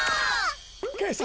けさ